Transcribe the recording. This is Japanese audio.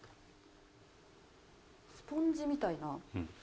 スポンジみたいな。